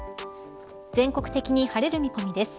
全国的に晴れる見込みです。